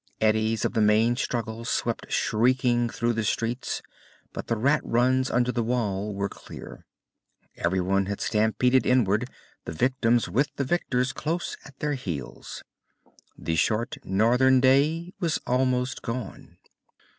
Eddies of the main struggle swept shrieking through the streets, but the rat runs under the Wall were clear. Everyone had stampeded inward, the victims with the victors close on their heels. The short northern day was almost gone.